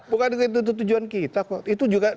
bukan itu tujuan kita kok